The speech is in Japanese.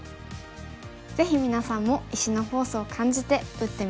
ぜひ皆さんも石のフォースを感じて打ってみて下さいね。